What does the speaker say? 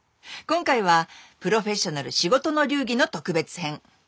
今回は「プロフェッショナル仕事の流儀」の特別編。